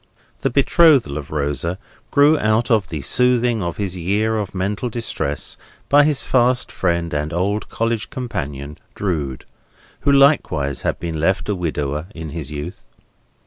The betrothal of Rosa grew out of the soothing of his year of mental distress by his fast friend and old college companion, Drood: who likewise had been left a widower in his youth.